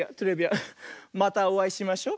またおあいしましょ。